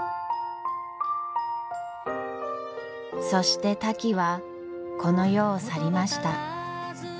そしてタキはこの世を去りました。